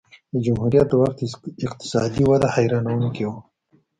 د جمهوریت د وخت اقتصادي وده حیرانوونکې وه.